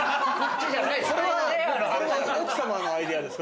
これは奥様のアイデアですか？